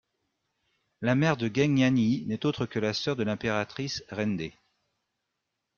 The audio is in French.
La mère de Geng Yanyi n'est autre que la sœur de l’impératrice Rende.